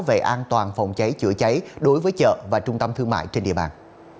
về an toàn phòng cháy chữa cháy đối với chợ và trung tâm thương mại trên địa bàn